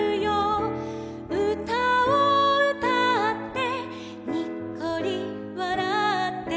「うたをうたってにっこりわらって」